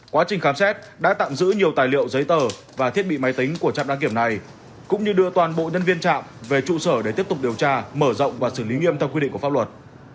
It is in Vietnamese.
quá trình khám xét đã tạm giữ nhiều tài liệu giấy tờ và thiết bị máy tính của trạm đăng kiểm này cũng như đưa toàn bộ nhân viên trạm về trụ sở để tiếp tục điều tra mở rộng và xử lý nghiêm theo quy định của pháp luật